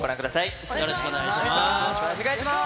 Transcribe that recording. よろしくお願いします。